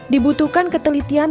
dibutuhkan ketelitian memilih bulung